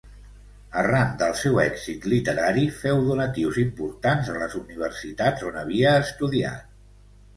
Arran del seu èxit literari féu donatius importants a les universitats on havia estudiat.